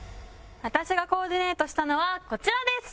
私がコーディネートしたのはこちらです！